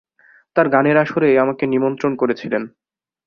তাঁর গানের আসরে আমাকে নিমন্ত্রণ করেছিলেন।